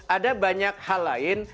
ada banyak hal lain